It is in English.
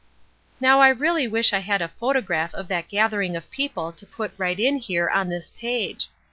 Now I really wish I had a photograph of that gathering of people to put right in here, on this page!